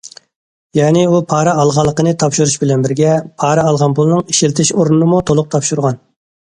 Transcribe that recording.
يەنى ئۇ پارا ئالغانلىقىنى تاپشۇرۇش بىلەن بىرگە، پارا ئالغان پۇلنىڭ ئىشلىتىش ئورنىنىمۇ تولۇق تاپشۇرغان.